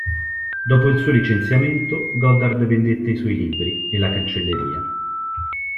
Dopo il suo licenziamento, Goddard vendette i suoi libri e la cancelleria.